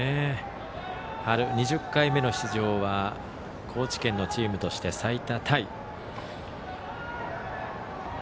春２０回目の出場は高知県のチームとして最多タイです。